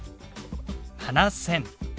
７０００。